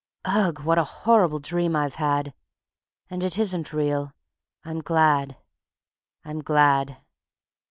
_) Ugh! What a horrible dream I've had! And it isn't real ... I'm glad, I'm glad!